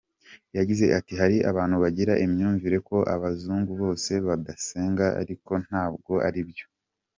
Yagize ati “Hari abantu bagira imyumvire ko abazungu bose badasenga ariko ntabwo aribyo.